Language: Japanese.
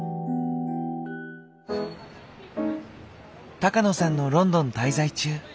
高野さんのロンドン滞在中。